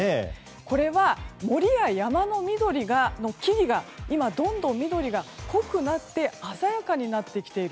これは森や山の緑の木々が今どんどん緑が濃くなって、鮮やかになってきている